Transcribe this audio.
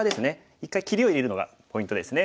一回切りを入れるのがポイントですね。